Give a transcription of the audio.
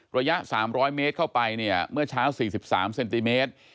ระยะ๓๐๐เมตรเข้าไปเนี่ยเมื่อเช้า๔๓เซนติเมตร